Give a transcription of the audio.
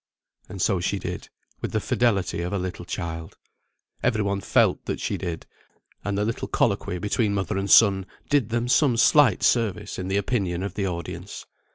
And so she did, with the fidelity of a little child. Every one felt that she did; and the little colloquy between mother and son did them some slight service in the opinion of the audience.